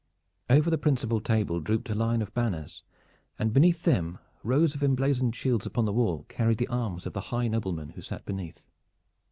Over the principal table drooped a line of banners, and beneath them rows of emblazoned shields upon the wall carried the arms of the high noblemen who sat beneath.